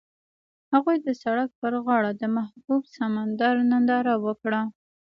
هغوی د سړک پر غاړه د محبوب سمندر ننداره وکړه.